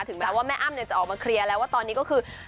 แม้ว่าแม่อ้ำจะออกมาเคลียร์แล้วว่าตอนนี้ก็คือ